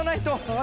あ！